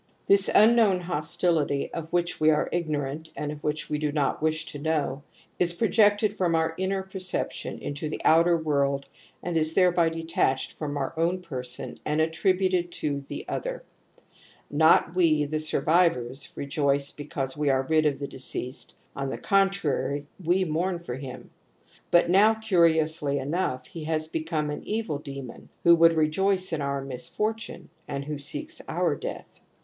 This unknown hostility, of which we are ignorant and of which we do not wish to know, is projected from our inner perception into the outer world and is thereby detached from our own person and attributed to the other) Not we, the survivors, rejoice because we are rid of the deceased, on the contrary, we mourn for him ; but now, curiously enough, he has become an evil demon who would rejoice in our misfor tune and who seeks our death.